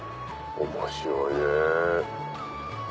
面白いね。